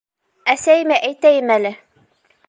Әсәйемә әйтәйем әле...